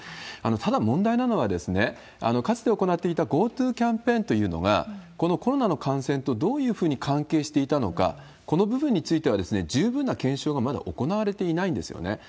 ただ問題なのは、かつて行っていたＧｏＴｏキャンペーンというのが、このコロナの感染とどういうふうに関係していたのか、この部分については、十分な検証がまだ行われていないんですよね。